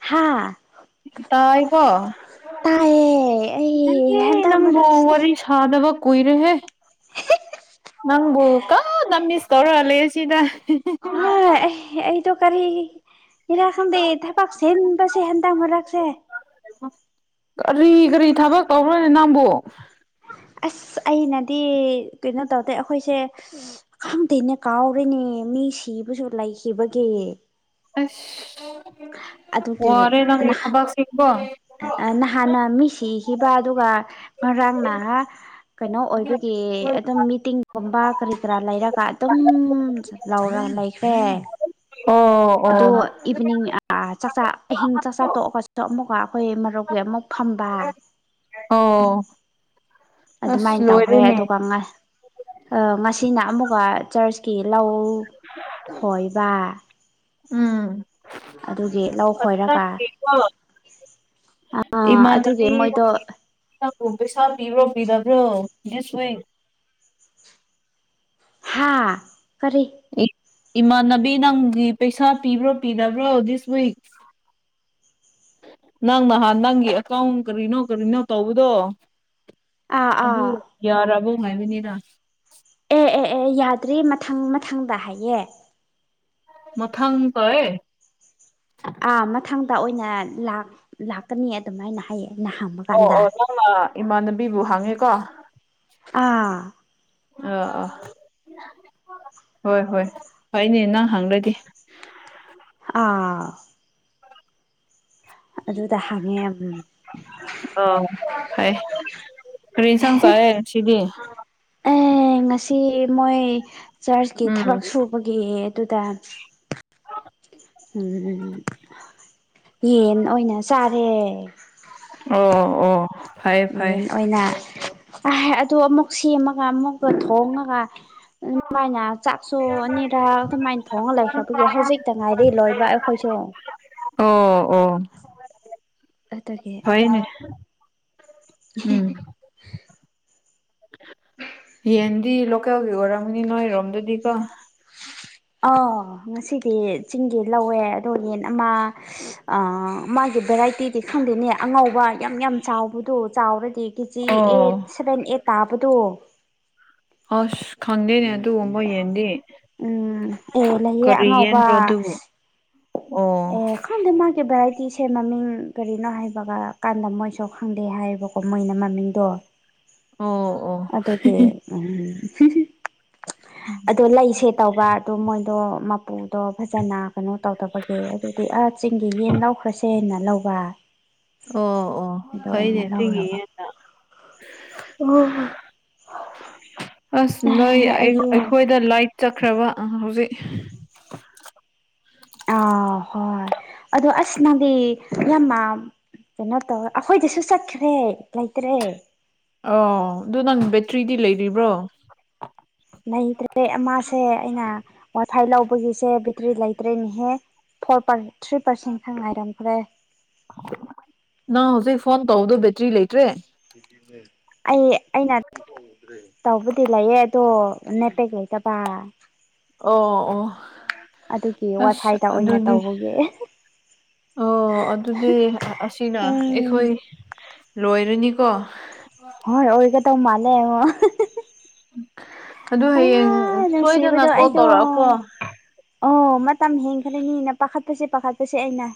ꯍꯥꯥ ꯇꯥꯏꯀꯣ꯫ ꯇꯥꯏꯌꯦ [unintelligible] ꯑꯩ ꯍꯟꯗꯛ ꯅꯪꯕꯨ ꯃꯔꯛꯁꯦ ꯋꯥꯔꯤ ꯁꯥꯗꯕ ꯀꯨꯏꯔꯦꯍꯦ꯫ [unintelligible] ꯅꯪꯕꯨ ꯀꯟꯅ ꯃꯤꯁ ꯇꯧꯔ ꯂꯩꯌꯦ ꯁꯤꯗ꯫ ꯇꯣ ꯀꯔꯤ ꯒꯤꯔꯥ ꯈꯪꯗꯦ ꯊꯕꯛ ꯆꯤꯟꯕꯁꯦ ꯍꯟꯗꯛ ꯃꯔꯛꯁꯦ꯫ ꯀꯔꯤ ꯀꯔꯤ ꯊꯕꯛ ꯇꯧꯕ꯭ꯔꯅꯦ ꯅꯪꯕꯨ꯫ ꯑꯁ ꯑꯩꯅꯗꯤ ꯀꯩꯅꯣ ꯇꯧꯗꯦ ꯑꯈꯣꯏꯁꯦ ꯁ ꯈꯪꯗꯦꯅꯦ ꯀꯥꯎꯔꯦꯅꯦ ꯃꯤ ꯁꯤꯕꯁꯨ ꯂꯩꯈꯤꯕꯒꯤ꯫ ꯑꯁ ꯑꯗꯨꯒꯤ ꯋꯥꯔꯦ ꯅꯪꯒꯤ ꯊꯕꯛꯁꯤꯀꯣ꯫ ꯍꯥꯟꯅ ꯃꯤ ꯁꯤꯈꯤꯕ ꯑꯗꯨꯒ ꯉꯔꯥꯡꯅ ꯀꯩꯅꯣ ꯑꯣꯏꯕꯒꯤ ꯑꯗꯨꯝ ꯃꯤꯇꯤꯡꯒꯨꯝꯕ ꯀꯔꯤ ꯀꯔꯥ ꯂꯩꯔꯒ ꯑꯗꯨꯝ ꯂꯧꯔ ꯂꯩꯈ꯭ꯔꯦ꯫ ꯑꯣ꯫ ꯑꯗꯣ ꯑꯣ ꯏꯚꯤꯅꯤꯡ ꯑꯥ ꯆꯥꯛ ꯆꯥ ꯑꯍꯤꯡ ꯆꯥꯛ ꯆꯥ ꯇꯣꯛꯑꯒꯁꯨ ꯑꯃꯨꯛꯀ ꯑꯈꯣꯏ ꯃꯔꯨꯞꯒꯤ ꯑꯃꯨꯛ ꯐꯝꯕ꯫ ꯑꯣ꯫ ꯑꯗꯨꯃꯥꯏꯟ ꯑꯁ ꯇꯧꯈ꯭ꯔꯦ ꯂꯣꯏꯔꯦꯅꯦ ꯑꯗꯨꯒ ꯉ ꯑ ꯉꯁꯤꯅ ꯑꯃꯨꯛꯀ ꯆꯔꯆꯀꯤ ꯂꯧ ꯈꯣꯏꯕ꯫ ꯎꯝ ꯑꯗꯨꯒꯤ ꯂꯧ ꯈꯣꯏꯔꯒ ꯑꯥ ꯑꯗꯨꯒꯤ ꯃꯣꯏꯗꯣ ꯅꯪꯕꯨ ꯄꯩꯁꯥ ꯄꯤꯕ꯭ꯔꯣ ꯄꯤꯗꯕ꯭ꯔꯣ ꯗꯤꯁ ꯋꯤꯛ꯫ ꯍꯥꯥ ꯀꯔꯤ꯫ [inaudible] ꯏꯃꯥꯟꯅꯕꯤ ꯅꯪꯗꯤ ꯄꯩꯁꯥ ꯄꯤꯕ꯭ꯔꯣ ꯄꯤꯗꯕ꯭ꯔꯣ ꯗꯤꯁ ꯋꯤꯛ꯫ ꯅꯪ ꯅꯍꯥꯟ ꯅꯪꯒꯤ ꯑꯦꯀꯥꯎꯟ ꯀꯔꯤꯅꯣ ꯀꯔꯤꯅꯣ ꯇꯧꯕꯗꯣ꯫ ꯑꯥ ꯑꯗꯨ ꯑꯥ ꯌꯥꯔꯕꯣ ꯉꯥꯏꯕꯅꯤꯗ꯫ ꯑꯦ ꯑꯦ ꯑꯦ ꯌꯥꯗ꯭ꯔꯤ ꯃꯊꯪ ꯃꯊꯪꯗ ꯍꯥꯏꯌꯦ꯫ ꯃꯊꯪ ꯇꯧꯋꯦ꯫ ꯑꯥ ꯃꯊꯪꯗ ꯑꯣꯏꯅ ꯂꯥꯛ ꯂꯥꯛꯀꯅꯤ ꯑꯗꯨꯃꯥꯏꯅ ꯍꯥꯏꯌꯦ꯫ ꯑꯩꯅ ꯍꯪꯕ ꯑꯣ ꯀꯥꯟꯗ ꯑꯣ ꯅꯪꯅ ꯏꯃꯥꯟꯅꯕꯤꯕꯨ ꯍꯪꯉꯦꯀꯣ ꯑꯥ ꯑꯥ ꯑꯥ ꯍꯣꯏ ꯍꯣꯏ ꯐꯩꯅꯦ ꯅꯪ ꯍꯪꯂꯗꯤ ꯑꯥ [inaudible] ꯑꯗꯨꯗ ꯍꯪꯉꯦ ꯑꯝ ꯑ ꯐꯩ ꯀ꯭ꯔꯤ ꯏꯟꯁꯥꯡ ꯆꯥꯏꯌꯦ ꯉꯁꯤꯗꯤ ꯑꯦ ꯉꯁꯤ ꯃꯣꯏ ꯆꯔꯆꯀꯤ ꯊꯕꯛ ꯎꯝ ꯁꯨꯕꯒꯤ ꯑꯗꯨꯗ ꯎꯝ ꯌꯦꯟ ꯑꯣꯏꯅ ꯆꯥ ꯑꯣ ꯑꯣ ꯐꯩꯌꯦ ꯐꯩꯌꯦ ꯌꯦꯟ ꯑꯣꯏꯅ ꯑꯍ ꯑꯗꯣ ꯑꯃꯨꯛ ꯁꯦꯝꯃꯒ ꯑꯃꯨꯛꯀ ꯊꯣꯡꯉꯒ ꯑꯗꯨꯃꯥꯏꯅ ꯆꯥꯛꯁꯨ ꯑꯅꯤꯔꯥ ꯑꯗꯨꯃꯥꯏꯅ ꯊꯣꯡꯉ ꯂꯩꯈ꯭ꯔꯕꯒꯤ ꯍꯧꯖꯤꯛꯇ ꯉꯥꯏꯔꯤ ꯂꯣꯏꯕ ꯑꯩꯈꯣꯏꯁꯨ ꯑꯣ ꯑꯣ ꯑꯗꯨꯒꯤ ꯍꯦ ꯐꯩꯅꯦ ꯍꯦ ꯎꯝ ꯌꯦꯟꯗꯤ ꯂꯣꯀꯦꯜꯒꯤ ꯑꯣꯏꯔꯝꯒꯅꯤ ꯅꯣꯏꯔꯣꯝꯗꯗꯤꯀꯣ ꯑꯥꯎ ꯉꯁꯤꯗꯤ ꯆꯤꯡꯒꯤ ꯂꯧꯋꯦ ꯑꯗꯣ ꯌꯦꯟ ꯑꯃ ꯑ ꯃꯥꯒꯤ ꯚꯦꯔꯥꯏꯇꯤꯗꯤ ꯈꯪꯗꯦꯅꯦ ꯑꯉꯧꯕ ꯌꯥꯝ ꯌꯥꯝ ꯆꯥꯎꯕꯗꯣ ꯆꯥꯎꯔꯗꯤ KG eight or seven eight ꯇꯥꯕꯗꯣ ꯑꯁ ꯈꯪꯗꯦꯅꯦ ꯑꯗꯨꯒꯨꯝꯕ ꯌꯦꯟꯗꯤ ꯎꯝ ꯑꯦ ꯂꯩꯌꯦ ꯀꯔꯤ ꯑꯉꯧꯕ ꯌꯦꯟꯔꯣ ꯑꯗꯨꯕꯨ ꯑꯣ ꯑꯦ ꯈꯪꯗꯦ ꯃꯥꯒꯤ ꯚꯦꯔꯥꯏꯇꯤꯁꯦ ꯃꯃꯤꯡ ꯀꯔꯤꯅꯣ ꯍꯥꯏꯕꯒ ꯀꯥꯟꯗ ꯃꯣꯏꯁꯨ ꯈꯪꯗꯦ ꯍꯥꯏꯌꯦꯕ ꯃꯣꯏꯅ ꯃꯃꯤꯡꯗꯣ ꯑꯣ ꯑꯣ ꯑꯗꯨꯒꯤ ꯑꯝ ꯍꯨꯝ ꯍꯨꯝ ꯎꯝ [inaudible] ꯑꯗꯣ ꯂꯩꯁꯦ ꯇꯧꯕ ꯑꯗꯨ ꯃꯣꯏꯗꯣ ꯃꯄꯨꯗꯣ ꯐꯖꯅ ꯀꯩꯅꯣ ꯇꯧꯗꯕꯒꯤ ꯒꯦ ꯑꯗꯨꯗꯤ ꯑꯥ ꯆꯤꯡꯒꯤ ꯌꯦꯟ ꯂꯧꯈ꯭ꯔꯁꯦꯅ ꯂꯧ ꯕ ꯑꯣ ꯑꯣ ꯐꯩꯅꯦ ꯊꯤꯡꯒꯤ ꯂꯧꯔꯕ ꯌꯦꯟꯅ ꯑꯣ ꯑꯁ ꯅꯣꯏ ꯑꯩ ꯑꯩꯁꯨ ꯑꯩꯈꯣꯏꯗ ꯂꯣꯏꯠ ꯆꯠꯈ꯭ꯔꯕ ꯍꯧꯖꯤꯛ ꯑ ꯍꯣꯏ ꯑꯗꯣ ꯑꯁ ꯅꯪꯗꯤ ꯌꯥꯝꯃ ꯀꯩꯅꯣ ꯇꯧꯋꯦ ꯑꯩꯈꯣꯏꯗꯁꯨ ꯆꯠꯈ꯭ꯔꯦ ꯂꯩꯇ꯭ꯔꯦ ꯑꯣ ꯗꯨ ꯅꯪ ꯕꯦꯇ꯭ꯔꯤꯗꯤ ꯂꯩꯔꯤꯕ꯭ꯔꯣ ꯂꯩꯇ꯭ꯔꯦ ꯑꯃꯁꯦ ꯑꯩꯅ ꯋꯥꯏꯐꯥꯏ ꯂꯧꯕꯒꯤꯁꯦ ꯕꯦꯇ꯭ꯔꯤ ꯂꯩꯇ꯭ꯔꯦꯅꯦꯍꯦ ꯐꯣꯔ ꯄꯔ ꯊ꯭ꯔꯤ ꯄꯥꯔꯁꯦꯟ ꯈꯛ ꯉꯥꯏꯔꯝꯈ꯭ꯔꯦ ꯅꯪ ꯍꯧꯖꯤꯛ ꯐꯣꯟ ꯇꯧꯕꯗꯣ ꯕꯦꯇ꯭ꯔꯤ ꯂꯩꯇ꯭ꯔꯦ ꯑꯩ ꯑꯩꯅ ꯇꯧꯕꯗꯤ ꯂꯩꯌꯦ ꯑꯗꯣ ꯅꯦꯠꯄꯦꯛ ꯂꯩꯇꯕ ꯄ ꯑꯣ ꯑꯣ ꯑꯗꯨꯒꯤ ꯑꯁ ꯋꯥꯏꯐꯥꯏꯗ ꯑꯣꯏꯅ ꯑꯗꯨꯗꯤ ꯇꯧꯕꯒꯤ ꯑꯣ ꯑꯗꯨꯗꯤ ꯑꯁꯤꯅ ꯎꯝ ꯑꯩꯈꯣꯏ ꯂꯣꯏꯔꯅꯤꯀꯣ ꯍꯣꯏ ꯑꯣꯏꯒꯗꯧ ꯃꯥꯜꯂꯦ ꯍꯣ ꯑꯗꯨ ꯍꯌꯦꯡ ꯁꯣꯏꯗꯅ ꯅꯨꯡꯁꯤꯕꯗꯣ ꯀꯣꯜ ꯑꯩꯗꯣ ꯇꯧꯔꯛꯑꯣꯀꯣ ꯑꯣ ꯃꯇꯝ ꯍꯦꯟꯈ꯭ꯔꯅꯤꯅ ꯄꯥꯈꯠꯄꯁꯤ ꯄꯥꯈꯠꯄꯁꯤ ꯑꯩꯅ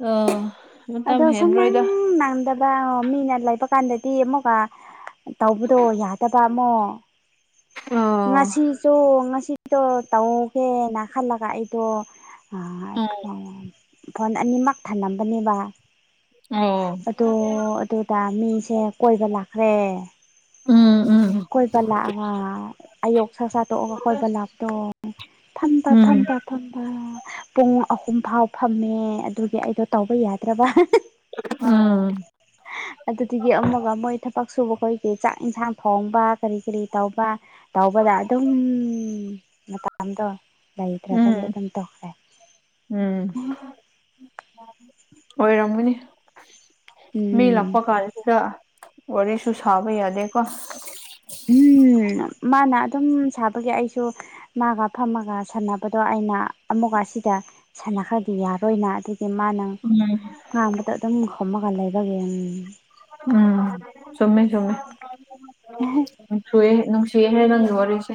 ꯑꯥ ꯃꯇꯝ ꯑꯗꯣ ꯁꯨꯡꯅꯪ ꯍꯦꯟꯔꯣꯏꯗ ꯅꯪꯗꯕ ꯃꯤꯅ ꯂꯩꯕ ꯀꯥꯟꯗꯗꯤ ꯑꯃꯨꯛꯀ ꯇꯧꯕꯗꯣ ꯌꯥꯗꯕ ꯑꯃꯣ ꯑꯥ ꯉꯁꯤꯁꯨ ꯉꯁꯤꯗꯣ ꯇꯧꯒꯦꯅ ꯈꯜꯂꯒ ꯑꯩꯗꯣ ꯐꯣꯟ ꯑꯅꯤꯃꯛ ꯊꯅꯝꯕꯅꯦꯕ ꯑꯣ ꯑꯗꯣ ꯑꯗꯣꯗ ꯃꯤꯁꯦ ꯀꯣꯏꯕ ꯂꯥꯛꯈ꯭ꯔꯦ ꯎꯝ ꯎꯝ ꯀꯣꯏꯕ ꯂꯥꯛꯑꯒ ꯑꯩꯌꯨꯛ ꯆꯥꯛꯆꯥ ꯇꯣꯛꯑꯒ ꯀꯣꯏꯕ ꯂꯥꯄꯇꯣ ꯐꯝꯕ ꯎꯝ ꯐꯝꯕ ꯐꯝꯕ ꯄꯨꯡ ꯑꯍꯨꯝ ꯐꯥꯎ ꯐꯝꯃꯦ ꯑꯗꯨꯒꯤ ꯑꯩꯗꯣ ꯇꯧꯕ ꯌꯥꯗ꯭ꯔꯕ ꯎꯝ ꯑꯗꯨꯗꯒꯤ ꯑꯃꯒ ꯃꯣꯏ ꯊꯕꯛ ꯁꯨꯕ ꯈꯣꯏꯒꯤ ꯆꯥꯛ ꯏꯟꯁꯥꯡ ꯊꯣꯡꯕ ꯀꯔꯤ ꯀꯔꯤ ꯇꯧꯕ ꯇꯧꯕꯗ ꯑꯗꯨꯝ ꯃꯇꯝꯗꯣ ꯂꯩꯇ꯭ꯔꯕꯒꯤ ꯎꯝ ꯑꯗꯨꯝ ꯇꯣꯛꯈ꯭ꯔꯦ ꯎꯝ ꯑꯣꯏꯔꯝꯒꯅꯤ ꯃꯤ ꯎꯝ ꯂꯥꯛꯄ ꯀꯥꯟꯗ ꯋꯥꯔꯤꯁꯨ ꯁꯥꯕ ꯌꯥꯗꯦꯀꯣ ꯎꯝ ꯃꯥꯅ ꯑꯗꯨꯝ ꯁꯥꯕꯒꯤ ꯑꯩꯁꯨ ꯃꯥꯒ ꯐꯝꯃꯒ ꯁꯥꯟꯅꯕꯗꯣ ꯑꯩꯅ ꯑꯃꯨꯛꯀ ꯑꯁꯤꯗ ꯁꯥꯟꯅꯈ꯭ꯔꯗꯤ ꯌꯥꯔꯣꯏꯅ ꯑꯗꯨꯒꯤ ꯃꯥꯅ ꯎꯝ ꯉꯥꯡꯕꯗ ꯑꯗꯨꯝ ꯈꯨꯝꯃꯥꯒ ꯂꯩꯕꯒꯤ ꯎꯝ ꯎꯝ ꯆꯨꯝꯃꯦ ꯆꯨꯝꯃꯦ ꯅꯨꯡꯁꯨꯑꯦ ꯅꯨꯡꯁꯤꯍꯦ ꯅꯪꯒꯤ ꯋꯥꯔꯤꯁꯦ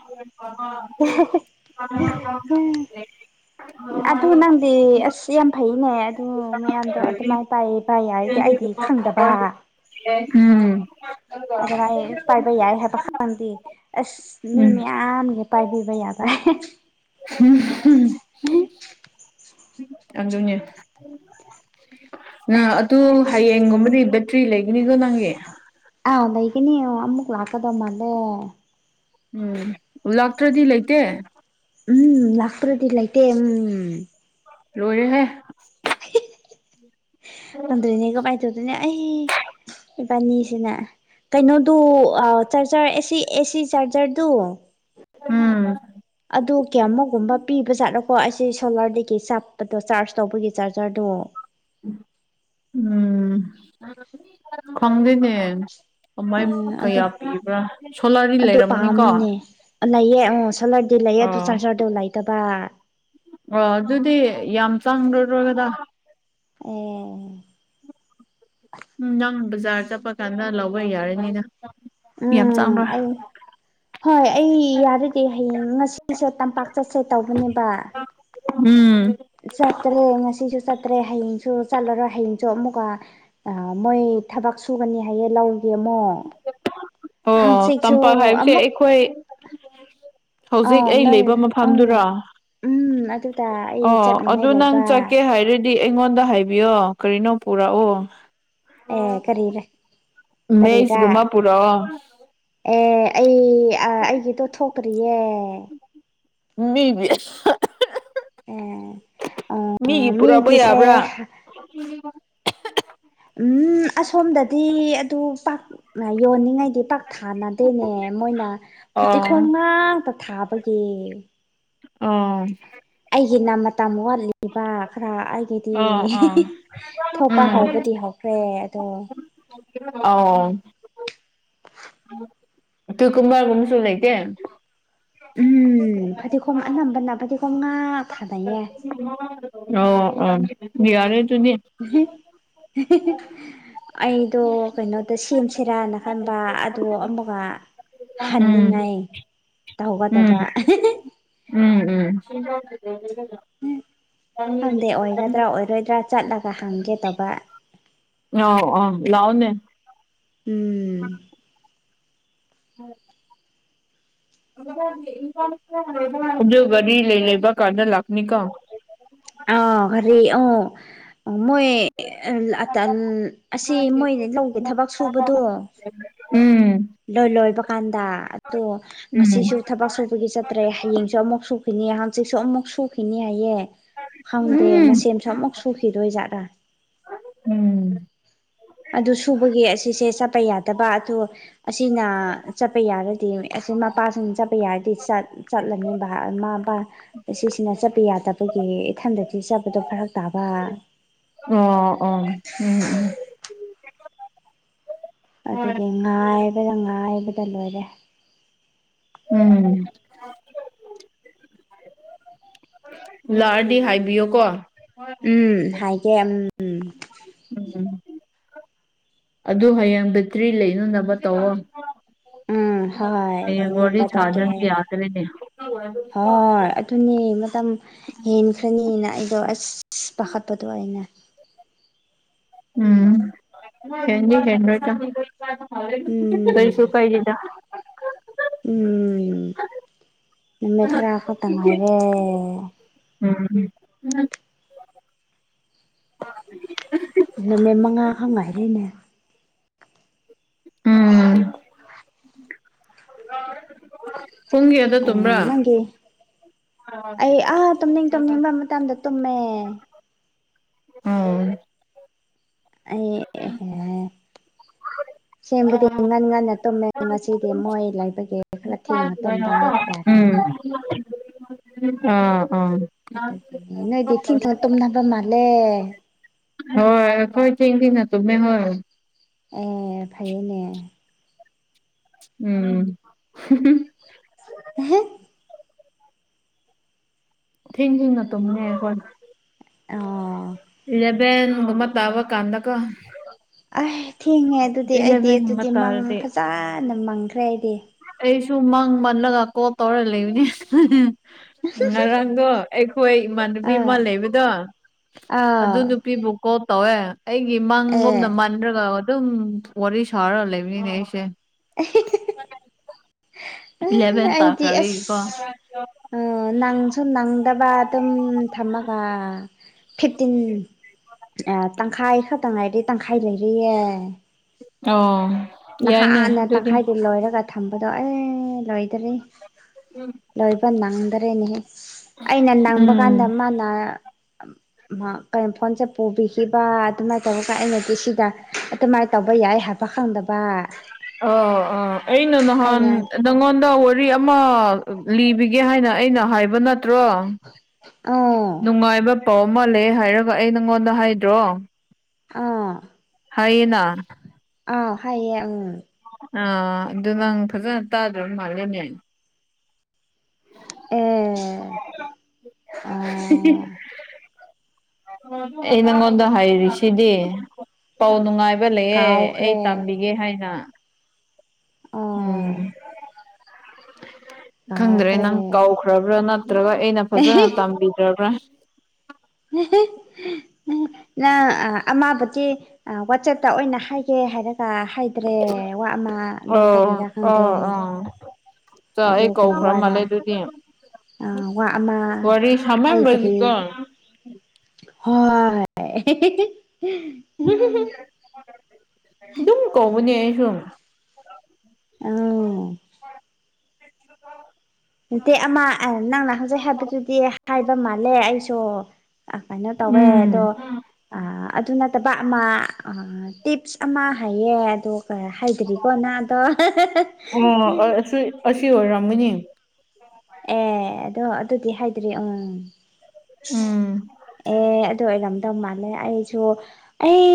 ꯑꯗꯨ ꯅꯪ ꯗꯤ ꯑꯁ ꯌꯥꯝ ꯐꯩꯅꯦ ꯑꯣ ꯃꯌꯥꯝꯗꯣ ꯑꯗꯨꯃꯥꯏ ꯄꯥꯏꯌꯦ ꯄꯥꯏ ꯌꯥꯌꯦꯗꯤ ꯑꯩꯗꯤ ꯈꯪꯗꯕ ꯎꯝ ꯑꯗꯨꯃꯥꯏ ꯄꯥꯏꯕ ꯌꯥꯏ ꯍꯥꯏꯕ ꯈꯪꯗꯤ ꯑꯁ ꯃꯤ ꯎꯝ ꯃꯌꯥꯝ ꯄꯥꯏꯕꯤꯕ ꯌꯥꯕ ꯑꯗꯨꯅꯦ ꯑ ꯑꯗꯨ ꯍꯌꯦꯡꯒꯨꯝꯕꯗꯤ ꯕꯦꯇ꯭ꯔꯤ ꯂꯩꯒꯅꯤꯀꯣ ꯅꯪꯒꯤ ꯑꯥꯎ ꯂꯩꯒꯅꯤ ꯑꯃꯨꯛ ꯂꯥꯛꯀꯗꯧ ꯃꯥꯂꯦ ꯎꯝ ꯂꯥꯛꯇ꯭ꯔꯗꯤ ꯂꯩꯇꯦ ꯎꯝ ꯂꯥꯛꯇ꯭ꯔꯗꯤ ꯂꯩꯇꯦ ꯎꯝ ꯂꯣꯏꯔꯦꯍꯦ ꯑꯗꯨꯅꯦ ꯀꯃꯥꯏ ꯇꯧꯗꯣꯏꯅꯣ ꯑꯩ ꯏꯕꯥꯅꯤꯁꯤꯅ ꯀꯩꯅꯣꯗꯣ ꯑ ꯆꯥꯔꯖꯔ ꯑꯦꯁꯤ ꯑꯦꯁꯤ ꯆꯥꯔꯖꯔꯗꯨ ꯎꯝ ꯑꯗꯨ ꯀꯌꯥꯃꯨꯛꯒꯨꯝꯕ ꯄꯤꯕꯖꯥꯠꯂꯀꯣ ꯑꯁꯤ ꯁꯣꯂꯥꯔꯗꯒꯤ ꯆꯥꯞꯄꯗꯨ ꯆꯥꯔꯖ ꯇꯧꯕꯒꯤ ꯆꯥꯔꯖꯔꯗꯨ ꯎꯝ ꯈꯪꯗꯦꯅꯦ ꯀꯃꯥꯏ ꯎꯝ ꯑꯗꯨ ꯀꯌꯥ ꯄꯤꯕ꯭ꯔꯥ ꯁꯣꯂꯔꯗꯤ ꯑꯗꯨ ꯂꯩꯔꯝꯒꯅꯤꯀꯣ ꯄꯥꯝꯃꯤꯅꯦ ꯂꯩꯌꯦ ꯑꯣ ꯁꯣꯂꯔꯗꯤ ꯂꯩꯌꯦ ꯑꯗꯨ ꯆꯥꯖꯔꯗꯣ ꯂꯩꯇꯕ ꯑꯣ ꯑꯗꯨꯗꯤ ꯌꯥꯝ ꯆꯪꯂꯔꯣꯏꯗ ꯑꯦ ꯎꯝ ꯅꯪ ꯕꯖꯥꯔ ꯆꯠꯄ ꯀꯥꯟꯗ ꯂꯧꯕ ꯌꯥꯔꯅꯤꯗ ꯌꯥꯝ ꯎꯝ ꯆꯪꯔꯣꯏ ꯑꯩ ꯍꯣꯏ ꯑꯩ ꯌꯥꯔꯗꯤ ꯍꯌꯦꯡ ꯉꯁꯤꯁꯦ ꯇꯝꯄꯥꯛ ꯆꯠꯁꯦ ꯇꯧꯕꯅꯦꯕ ꯎꯝ ꯆꯠꯇ꯭ꯔꯦ ꯉꯁꯤꯁꯨ ꯆꯠꯇ꯭ꯔꯦ ꯍꯌꯦꯡꯁꯨ ꯆꯠꯂꯔꯣꯏ ꯍꯌꯦꯡꯁꯨ ꯑꯃꯨꯛꯀꯥ ꯑꯥ ꯃꯣꯏ ꯊꯕꯛ ꯁꯨꯒꯅꯤ ꯍꯥꯏꯌꯦ ꯂꯧꯒꯤ ꯑꯃꯨꯛ ꯑꯣ ꯍꯥꯡꯆꯤꯠꯁꯨ ꯇꯝꯄꯥꯛ ꯍꯥꯏꯕꯁꯦ ꯑꯃꯨꯛ ꯑꯩꯈꯣꯏ ꯍꯧꯖꯤꯛ ꯑꯥ ꯑꯩ ꯅꯣꯏ ꯂꯩꯕ ꯎꯝ ꯃꯐꯝꯗꯨꯔꯣ ꯎꯝ ꯑꯗꯨꯗ ꯑꯩ ꯑꯣ ꯆꯠꯅꯤꯡꯉꯥꯏ ꯑꯗꯨ ꯅꯪ ꯂꯩꯕ ꯆꯠꯀꯦ ꯍꯥꯏꯔꯤꯠ ꯗꯤ ꯑꯩꯉꯣꯟꯗ ꯍꯥꯏꯕꯤꯌꯣ ꯀꯔꯤꯅꯣ ꯄꯨꯔꯑꯣ ꯑꯦ ꯀꯔꯤꯔꯥ ꯃꯦꯖꯒꯨꯝꯕ ꯄꯨꯔꯑꯣ ꯑꯦ ꯑꯩ ꯑꯥ ꯑꯩꯒꯤꯗꯣ ꯊꯣꯛꯇꯔꯤꯌꯦ ꯃꯤꯒꯤ ꯑꯦ [unintelligible] ꯃꯤꯒꯤ ꯄꯨꯔꯛꯄ ꯃꯤꯒꯤꯁꯦ ꯌꯥꯕ꯭ꯔꯥ [unintelligible] ꯎꯝ ꯑꯁꯣꯝꯗꯗꯤ ꯑꯗꯨ ꯄꯥꯛꯅ ꯌꯣꯟꯅꯤꯡꯉꯥꯏꯗꯤ ꯄꯥꯛ ꯊꯥꯅꯗꯦꯅꯦ ꯃꯣꯏꯅ ꯐꯇꯤꯈꯣꯝ ꯑꯣ ꯉꯥꯛꯇꯥ ꯊꯥꯕꯒꯤ ꯑꯣꯝ ꯑꯩꯒꯤꯅ ꯃꯇꯝ ꯋꯥꯠꯂꯤꯕ ꯈꯔ ꯑꯩꯒꯤ ꯗꯤ ꯑꯣ ꯑꯣ ꯊꯣꯛꯄ ꯍꯧꯕꯗꯤ ꯍꯧꯈ꯭ꯔꯦ ꯑꯗꯣ ꯑꯥꯎ ꯇꯨꯀꯨꯨꯝꯕꯥ ꯑꯃꯒꯨꯝꯁꯨ ꯂꯩꯇꯦ ꯎꯝ ꯐꯗꯤꯈꯣꯝ ꯑꯅꯝꯕꯅ ꯐꯗꯤꯒꯣꯝ ꯉꯥꯛ ꯊꯥꯅꯩꯌꯦ [unintelligible] ꯑꯥꯎ ꯑꯣ ꯌꯥꯔꯦ ꯗꯨꯗꯤ [unintelligible] ꯑꯩꯗꯣ ꯀꯩꯅꯣꯗ ꯁꯦꯝꯁꯤꯔꯥꯅ ꯈꯟꯕ ꯑꯗꯣ ꯑꯃꯨꯛꯀꯥ ꯎꯝ ꯍꯟꯅꯤꯡꯉꯥꯏ ꯎꯝ ꯇꯧꯒꯗꯕ ꯎꯝ ꯎꯝ [unintelligible] ꯈꯪꯗꯦ ꯑꯣꯏꯒꯗ꯭ꯔꯥ ꯑꯣꯏꯔꯣꯏꯗ꯭ꯔꯥ ꯆꯠꯂꯒ ꯍꯪꯒꯦ ꯇꯧꯕ ꯉꯥꯎ ꯑꯥꯎ ꯂꯥꯎꯅꯦ ꯎꯝ ꯎꯝ [inaudible] [unintelligible] ꯑꯗꯨꯒꯥꯗꯤ ꯂꯩ ꯂꯩꯕ ꯀꯥꯟꯗ ꯂꯥꯛꯅꯤꯀꯣ ꯑꯥ ꯒꯔꯤ ꯑꯣ ꯑꯥ ꯃꯣꯏ ꯑꯦꯜ ꯑꯇꯜ ꯑꯁꯤ ꯃꯣꯏꯅ ꯂꯧꯒꯤ ꯊꯕꯛ ꯁꯨꯕꯗꯣ ꯎꯝ ꯂꯣꯏ ꯂꯣꯏꯕꯀꯥꯟꯗ ꯑꯗꯣ ꯎꯝ ꯉꯁꯤꯁꯨ ꯊꯕꯛ ꯁꯨꯕꯒꯤ ꯆꯠꯇ꯭ꯔꯦ ꯍꯌꯦꯡꯁꯨ ꯑꯃꯨꯛ ꯁꯨꯈꯤꯅꯤ ꯍꯥꯡꯆꯤꯠꯁꯨ ꯑꯃꯨꯛ ꯁꯨꯈꯤꯅꯤ ꯍꯥꯏꯌꯦ ꯈꯪꯗꯦ ꯎꯝ ꯃꯁꯦꯝꯁꯨ ꯑꯃꯨꯛ ꯁꯨꯈꯤꯗꯣꯏ ꯖꯥꯠꯔꯥ ꯎꯝ ꯑꯗꯨ ꯁꯨꯕꯒꯤ ꯑꯁꯤꯁꯦ ꯆꯠꯄ ꯌꯥꯗꯕ ꯑꯗꯣ ꯑꯁꯤꯅ ꯆꯠꯄ ꯌꯥꯔꯗꯤ ꯑꯁꯤ ꯃꯄꯥꯁꯤꯡ ꯆꯠꯄ ꯌꯥꯔꯗꯤ ꯆꯠ ꯆꯠꯂꯅꯤꯕꯥ ꯃꯥ ꯕꯥ ꯑꯦꯁꯤꯁꯤꯅ ꯆꯠꯄ ꯌꯥꯗꯕꯒꯤ ꯏꯊꯟꯗꯗꯤ ꯆꯠꯄꯗꯣ ꯐꯔꯛ ꯇꯥꯕ ꯑꯣ ꯑꯣꯝ ꯎꯝ ꯎꯝ ꯎꯝ ꯑꯗꯨꯒꯤ ꯉꯥꯏꯕꯗ ꯉꯥꯏꯕꯗ ꯂꯣꯏꯔꯦ ꯎꯝ [inaudible] ꯂꯥꯛꯑꯗꯤ ꯍꯥꯏꯕꯤꯌꯣ ꯀꯣ ꯎꯝ ꯍꯥꯏꯒꯦ ꯑꯝ ꯎꯝ ꯑꯗꯨ ꯍꯌꯦꯡ ꯕꯦꯇ꯭ꯔꯤ ꯂꯩꯅꯅꯕ ꯇꯧꯋꯣ ꯎꯝ ꯍꯣꯏ ꯍꯌꯦꯡ ꯋꯥꯔꯤ ꯂꯩꯅꯤꯕ ꯇꯧꯒꯦ ꯁꯥꯗ꯭ꯔꯗꯤ ꯌꯥꯗ꯭ꯔꯦꯅꯦ ꯍꯣꯏ ꯗꯨꯅꯦ ꯃꯇꯝ ꯍꯦꯟꯈ꯭ꯔꯅꯤꯅ ꯑꯩꯗꯣ ꯑꯁ ꯄꯥꯈꯠꯄꯗꯣ ꯑꯩꯅ ꯎꯝ ꯍꯦꯟꯗꯤ ꯍꯦꯟꯂꯣꯏꯗ [unintelligible] ꯎꯝ ꯀꯩꯁꯨ ꯀꯥꯏꯗꯦꯗ ꯎꯝ ꯅꯨꯃꯤꯠ ꯈꯔꯥ ꯈꯇꯪ ꯉꯥꯏꯔꯦ ꯎꯝ [unintelligible] ꯅꯨꯃꯤꯠꯅꯦ ꯃꯉꯥ ꯈꯛ ꯉꯥꯏꯔꯦꯅꯦ ꯎꯝ ꯄꯨꯡ ꯀꯌꯥꯗ ꯑꯣ ꯇꯨꯝꯕ꯭ꯔꯥ ꯅꯪꯒꯤ ꯑꯩ ꯑꯥꯥ ꯇꯨꯝꯅꯤꯡ ꯇꯨꯝꯅꯤꯡꯕ ꯃꯇꯝꯗ ꯇꯨꯝꯃꯦ ꯎꯝ ꯑꯩ ꯍꯦ ꯍꯦ ꯁꯦꯝꯕꯗꯤ ꯉꯟ ꯉꯟꯅ ꯇꯨꯝꯃꯦ ꯉꯁꯤꯗꯤ ꯃꯣꯏ ꯂꯩꯕꯒꯤ ꯈꯔ ꯊꯦꯡꯅ ꯇꯨꯝꯕ ꯎꯝ ꯍꯥꯏꯇꯥꯔꯦ ꯑꯥ ꯑꯥ ꯅꯣꯏꯗꯤ ꯊꯦꯡ ꯊꯦꯡꯅ ꯇꯨꯝꯅꯕ ꯃꯥꯜꯂꯦ ꯍꯣꯏ ꯑꯩꯈꯣꯏ ꯊꯦꯡ ꯊꯦꯡꯅ ꯇꯨꯝꯃꯦ ꯍꯣꯏ ꯑꯦ ꯐꯩꯌꯦꯅꯦ ꯎꯝ ꯑꯍꯦ ꯊꯦꯡ ꯊꯦꯡꯅ ꯇꯨꯝꯃꯦ ꯑꯩꯈꯣꯏ ꯑꯣ ꯂꯦꯞ ꯂꯦꯟꯒꯨꯝꯕ ꯇꯥꯕ ꯀꯥꯟꯗ ꯀꯣ ꯑ ꯊꯦꯡꯉꯦ ꯑꯗꯨꯗꯤ ꯑꯩꯗꯤ ꯑꯗꯨꯗꯤ ꯃꯪ ꯇꯥꯔꯗꯤ ꯐꯖꯥꯅ ꯃꯪꯈ꯭ꯔꯦ ꯑꯩꯗꯤ ꯑꯩꯁꯨ ꯃꯪ ꯃꯜꯂꯒ ꯀꯣꯜ ꯇꯧꯔ ꯂꯩꯕꯅꯤ ꯍ ꯍ ꯎꯝ ꯉꯔꯥꯡꯗꯣ ꯑꯩꯈꯣꯏ ꯏꯃꯥꯟꯅꯕꯤ ꯑꯃ ꯑꯥ ꯂꯩꯕꯗꯣ ꯑꯗꯨ ꯑꯥ ꯅꯨꯄꯤꯕꯨ ꯀꯣꯜ ꯇꯧꯋꯦ ꯑꯩꯒꯤ ꯑꯦ ꯃꯪꯒꯨꯝꯅ ꯃꯟꯗ꯭ꯔꯒ ꯑꯗꯨꯝ ꯋꯥꯔꯤ ꯁꯥꯔ ꯂꯩꯕꯅꯤꯅꯦ ꯑꯩꯁꯦ ꯑꯦ ꯏꯂꯚꯦꯟ ꯑꯩꯗꯤ ꯇꯥꯈ꯭ꯔꯕꯒꯤꯀꯣ ꯑꯁ ꯑꯥ ꯅꯪꯁꯨ ꯅꯪꯗꯕ ꯑꯗꯨꯝ ꯊꯝꯃꯒ ꯐꯤꯐꯇꯤꯟ ꯑꯥ ꯇꯪꯈꯥꯏ ꯈꯛꯇꯪ ꯉꯥꯏꯔꯤ ꯇꯪꯈꯥꯏ ꯂꯩꯔꯤꯌꯦ ꯑꯣ ꯌꯥꯏꯅꯦ ꯅꯍꯥꯟꯅ ꯑꯗꯨꯗꯤ ꯇꯪꯈꯥꯏꯗ ꯂꯧꯔꯒ ꯊꯝꯕꯗꯣ ꯑꯦ ꯂꯣꯏꯗꯔꯤ ꯂꯣꯏꯕ ꯅꯪꯗꯔꯦꯅꯦꯍꯦ ꯑꯩꯅ ꯅꯪꯕ ꯎꯝ ꯀꯥꯟꯗ ꯃꯥꯅ ꯀꯩꯅꯣ ꯐꯣꯟꯁꯦ ꯄꯨꯕꯤꯈꯤꯕ ꯑꯗꯨꯃꯥꯏꯅ ꯇꯧꯔꯒ ꯑꯩꯅꯗꯤ ꯁꯤꯗ ꯑꯗꯨꯃꯥꯏꯟ ꯇꯧꯕ ꯌꯥꯏ ꯍꯥꯏꯄ ꯈꯪꯗꯕ ꯑꯣ ꯑ ꯑꯩꯩꯅ ꯅꯍꯥꯟ ꯑꯩꯅ ꯅꯪꯉꯣꯟꯗ ꯋꯥꯔꯤ ꯑꯃ ꯂꯤꯕꯤꯒꯦ ꯍꯥꯏꯅ ꯑꯩꯅ ꯍꯥꯏꯕ ꯅꯠꯇ꯭ꯔꯣ ꯑꯥ ꯅꯨꯡꯉꯥꯏꯕ ꯄꯥꯎ ꯑꯃ ꯂꯩꯌꯦ ꯍꯥꯏꯔꯒ ꯑꯩ ꯅꯪꯉꯣꯟꯗ ꯍꯥꯏꯗ꯭ꯔꯣ ꯑꯥ ꯍꯥꯏꯌꯦꯅ ꯑꯥ ꯍꯥꯏꯌꯦ ꯑꯝ ꯑꯥ ꯑꯗꯨ ꯅꯪ ꯐꯖꯅ ꯇꯥꯗ꯭ꯔꯕ ꯃꯥꯜꯂꯦꯅꯦ ꯑꯦ ꯍꯤ ꯍꯤ ꯑꯥ ꯑꯩ ꯅꯪꯉꯣꯟꯗ ꯍꯥꯢꯔꯤꯁꯤꯗꯤ ꯄꯥꯎ ꯅꯨꯡꯉꯥꯢꯕ ꯂꯩꯌꯦ ꯑꯩ ꯀꯥꯎꯈ꯭ꯔꯦ ꯇꯝꯕꯤꯒꯦ ꯍꯥꯢꯅ ꯑꯥ ꯎꯝ ꯈꯪꯗ꯭ꯔꯦ ꯅꯪ ꯀꯥꯎꯈ꯭ꯔꯦ ꯀꯥꯎꯈ꯭ꯔꯕ꯭ꯔꯥ ꯅꯠꯇ꯭ꯔꯒ ꯑꯩꯅ ꯐꯖꯅ ꯇꯝꯕꯤꯗ꯭ꯔꯕ꯭ꯔꯥ [unintelligible] ꯎ ꯅꯪ ꯑꯃꯥꯕꯨꯗꯤ ꯑ ꯋꯥꯆꯦꯞꯇ ꯑꯣꯢꯅ ꯍꯥꯢꯒꯦ ꯍꯥꯢꯔꯛ ꯆꯥ ꯍꯥꯢꯗ꯭ꯔꯦ ꯋꯥ ꯑꯃ ꯅꯪ ꯀꯔꯤꯔ ꯑꯣ ꯑꯣ ꯈꯪꯗꯦ ꯑꯥ ꯆꯥ ꯑꯗꯨ ꯑꯩ ꯀꯔꯤ ꯀꯧꯈ꯭ꯔ ꯋꯥꯔꯥ ꯃꯥꯜꯂꯦ ꯑꯗꯨꯗꯤ ꯑ ꯋꯥ ꯑꯃ ꯋꯥꯔꯤ ꯍꯥꯢꯗꯔꯤ ꯁꯥꯃꯟꯕꯒꯤꯀꯣ ꯍꯣꯢ [unintelligible] ꯍꯨꯝ ꯍꯨꯝ ꯍꯨꯝ ꯑꯗꯨꯝ ꯀꯧꯕꯅꯦ ꯑꯩꯁꯨ ꯑꯧ ꯅꯠꯇꯦ ꯑꯃ ꯑ ꯅꯪꯅ ꯍꯧꯖꯤꯛ ꯍꯥꯢꯕꯗꯨꯗꯤ ꯍꯥꯢꯕ ꯃꯥꯜꯂꯦ ꯑꯩꯁꯨ ꯑꯁꯥꯢꯅ ꯇꯧꯋꯦ ꯎꯝ ꯑꯗꯣ ꯑ ꯑꯗꯨ ꯅꯠꯇꯕ ꯑꯃ ꯑ ꯇꯤꯞꯁ ꯑꯃ ꯍꯥꯢꯌꯦ ꯑꯗꯣꯒ ꯍꯥꯏꯗ꯭ꯔꯤꯀꯣ ꯅꯗꯣ ꯑꯣ [unintelligible] ꯑꯁꯤ ꯑꯁꯤ ꯑꯣꯢꯔꯝꯒꯅꯤ ꯑꯦ ꯑꯗꯣ ꯑꯗꯨꯗꯤ ꯍꯥꯢꯗ꯭ꯔꯤ ꯎꯝ ꯎꯝ ꯑꯦ ꯑꯗꯨ ꯑꯣꯢꯔꯝꯗꯧ ꯃꯥꯜꯂꯦ ꯑꯩꯁꯨ ꯑꯩ